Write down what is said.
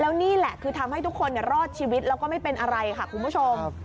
นี่แหละคือทำให้ทุกคนรอดชีวิตแล้วก็ไม่เป็นอะไรค่ะคุณผู้ชม